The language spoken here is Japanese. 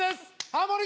ハモリ